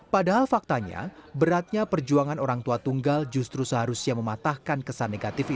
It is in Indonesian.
padahal faktanya beratnya perjuangan orang tua tunggal justru seharusnya mematahkan kesan negatif ini